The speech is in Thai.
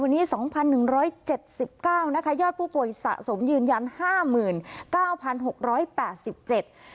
วันนี้สองพันหนึ่งร้อยเจ็ดสิบเก้านะคะยอดผู้ป่วยสะสมยืนยันห้าหมื่นเก้าพันหกร้อยแปดสิบเจ็ด